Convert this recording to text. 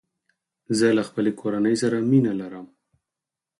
زه له خپلې کورني سره مینه لرم.